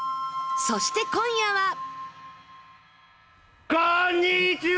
そして今夜は！